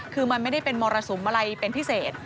คือมันไม่ได้เป็นมรสุมอะไรเป็นพิเศษ